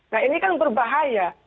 nah ini kan berbahaya